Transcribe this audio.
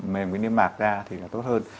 mềm cái niêm mạc ra thì tốt hơn